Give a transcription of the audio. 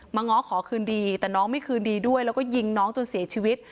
ง้อขอคืนดีแต่น้องไม่คืนดีด้วยแล้วก็ยิงน้องจนเสียชีวิต